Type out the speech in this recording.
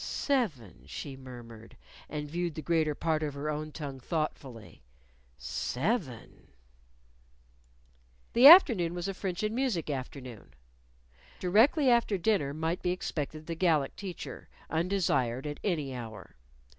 "Seven," she murmured, and viewed the greater part of her own tongue thoughtfully; "seven." The afternoon was a French and music afternoon. Directly after dinner might be expected the Gallic teacher undesired at any hour.